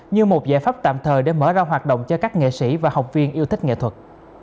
như một giải pháp tạm thời để mở ra hoạt động cho các nghệ sĩ và học viên yêu thích nghệ thuật